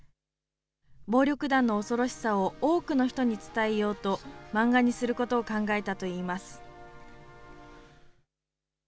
暴力団の恐ろしさを多くの人に伝えようと、漫画にすることを考えたといいます。